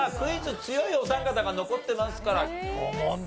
強いお三方が残ってますから５問で。